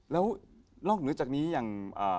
แล้วนอกเหนือจากนี้อย่าง